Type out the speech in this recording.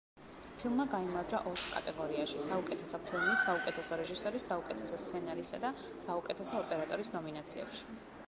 ფილმმა გაიმარჯვა ოთხ კატეგორიაში: საუკეთესო ფილმის, საუკეთესო რეჟისორის, საუკეთესო სცენარისა და საუკეთესო ოპერატორის ნომინაციებში.